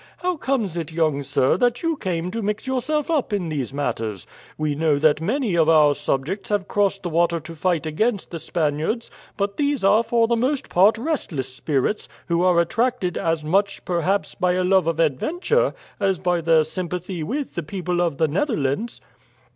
How comes it, young sir, that you came to mix yourself up in these matters? We know that many of our subjects have crossed the water to fight against the Spaniards; but these are for the most part restless spirits, who are attracted as much, perhaps, by a love of adventure as by their sympathy with the people of the Netherlands."